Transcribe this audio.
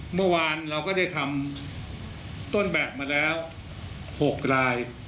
เมื่อวานเราก็ได้ทำต้นแบบมาแล้ว๖ราย